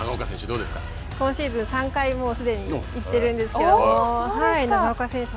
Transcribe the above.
今シーズン３回もうすでに行っているんですけれども長岡選手